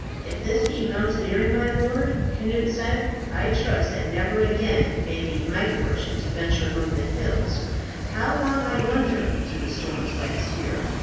"If this be mountaineering, my lord," Cnut said, "I trust that never again may it be my fortune to venture among the hills. How long, I wonder, do the storms last here?